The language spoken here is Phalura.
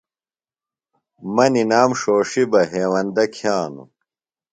مہ نِنام ݜوݜیۡ بہ ہیوندہ کِھیانوۡ۔